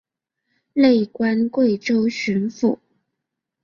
累官贵州巡抚。